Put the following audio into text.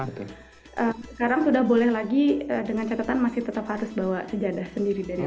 sekarang sudah boleh lagi dengan catatan masih tetap harus bawa sejadah sendiri dari